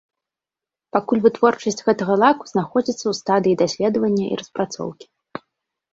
Пакуль вытворчасць гэтага лаку знаходзіцца ў стадыі даследавання і распрацоўкі.